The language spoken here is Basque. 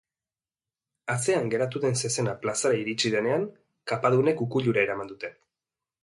Atzeran geratu den zezena plazara iritsi denean, kapadunek ukuilura eraman dute.